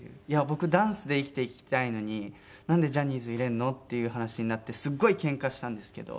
僕ダンスで生きていきたいのになんでジャニーズ入れるの？っていう話になってすごいけんかしたんですけど。